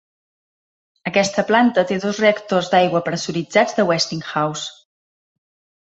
Aquesta planta té dos reactors d'aigua pressuritzats de Westinghouse.